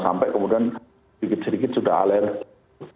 sampai kemudian sedikit sedikit sudah alergi